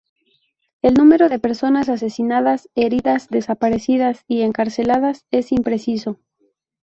El número de personas asesinadas, heridas, desaparecidas y encarceladas es impreciso.